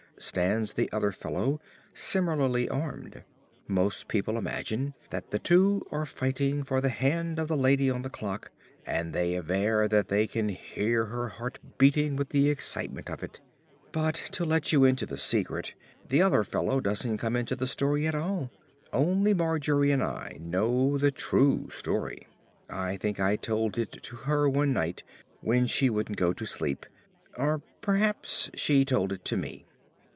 stands the other fellow, similarly armed. Most people imagine that the two are fighting for the hand of the lady on the clock, and they aver that they can hear her heart beating with the excitement of it; but, to let you into the secret, the other fellow doesn't come into the story at all. Only Margery and I know the true story. I think I told it to her one night when she wouldn't go to sleep or perhaps she told it to me.